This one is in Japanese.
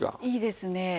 いいですね。